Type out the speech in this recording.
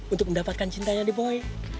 untuk mendapatkan cintanya di boy